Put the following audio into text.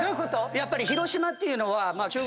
やっぱり。